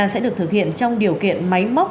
sẽ được thực hiện trong điều kiện máy móc